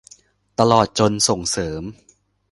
ตลอดจนส่งเสริม